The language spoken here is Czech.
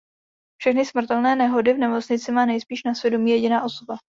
Všechny smrtelné nehody v nemocnici má nejspíš na svědomí jediná osoba...